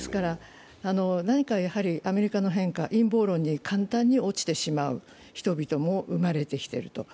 何かアメリカの変化、陰謀論に簡単に落ちてしまう人々も出てきている。